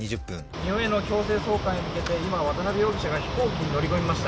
日本への強制送還に向けて渡辺容疑者が飛行機に乗り込みました。